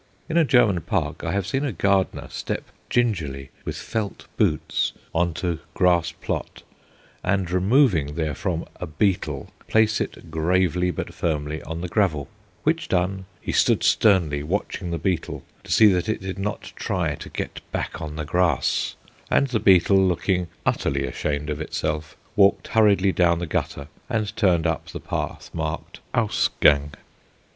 In a German park I have seen a gardener step gingerly with felt boots on to grass plot, and removing therefrom a beetle, place it gravely but firmly on the gravel; which done, he stood sternly watching the beetle, to see that it did not try to get back on the grass; and the beetle, looking utterly ashamed of itself, walked hurriedly down the gutter, and turned up the path marked "Ausgang."